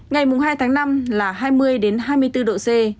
ngày hai tháng năm là hai mươi hai mươi bốn độ c